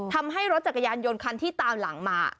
ทำให้รถจักรยานยนต์คันที่ตามหลังมา